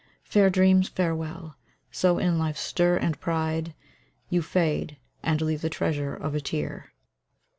Fair dreams, farewell! So in life's stir and pride You fade, and leave the treasure of a tear!